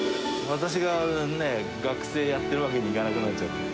私が学生やってるわけにいかなくなっちゃって。